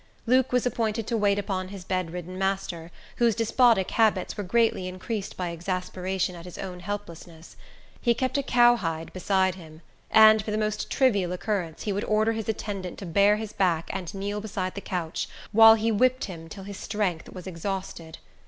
Luke was appointed to wait upon his bed ridden master, whose despotic habits were greatly increased by exasperation at his own helplessness. He kept a cowhide beside him, and, for the most trivial occurrence, he would order his attendant to bare his back, and kneel beside the couch, while he whipped him till his strength was exhausted.